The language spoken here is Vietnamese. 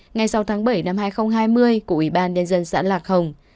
ngay sau tháng bảy năm hai nghìn hai mươi của ủy ban nhân dân xã lạc hồng